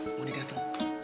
kau mau dititik ato